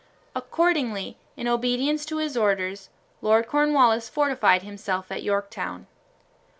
Accordingly, in obedience to his orders, Lord Cornwallis fortified himself at Yorktown.